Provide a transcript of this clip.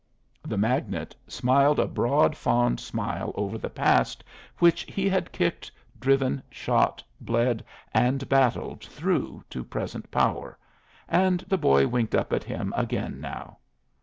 The magnate smiled a broad fond smile over the past which he had kicked, driven, shot, bled, and battled through to present power; and the boy winked up at him again now.